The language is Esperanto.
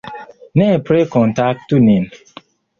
Nepre kontaktu nin!